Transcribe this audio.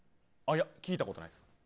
聞いたことないです。